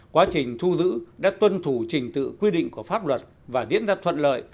quá trình thu giữ đã tuân thủ trình tự quy định của pháp luật và diễn ra thuận lợi